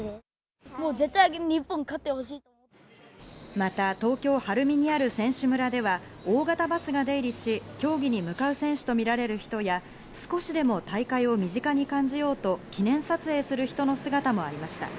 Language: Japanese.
また東京・晴海にある選手村では大型バスが出入りし競技に向かう選手とみられる人や、少しでも大会を身近に感じようと記念撮影する人の姿もありました。